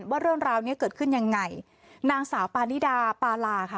ว่าเรื่องราวเนี้ยเกิดขึ้นยังไงนางสาวปานิดาปาลาค่ะ